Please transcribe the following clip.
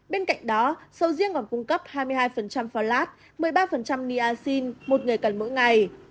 bên cạnh đó sầu riêng còn cung cấp hai mươi hai phao lát một mươi ba niacin một người cần mỗi ngày